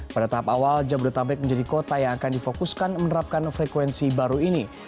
pada tahap awal jabodetabek menjadi kota yang akan difokuskan menerapkan frekuensi baru ini